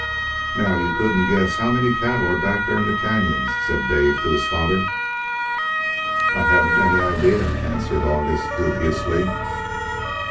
"Now you couldn't guess how many cattle are back there in the canyons," said Dave to his father. "I haven't any idea," answered August, dubiously.